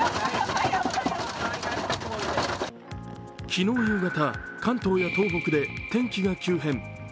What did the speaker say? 昨日夕方、関東や東北で天気が急変。